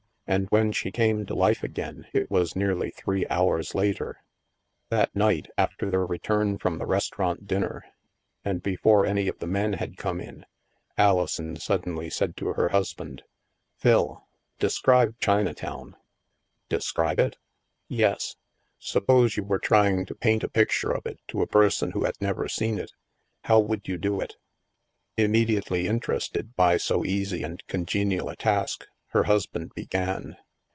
And when she came to life again, it was nearly three hours later. That night, after their return from the restaurant dinner and before any of the men had come in, Ali son suddenly said to her husband :" Phil, describe Chinatown." "Describe it?" " Yes. Suppose you were trying to paint a pic ture of it to a person who had never seen it; how would you do it ?" THE MAELSTROM 157 Immediately interested by so easy and congenial a task, her husband began.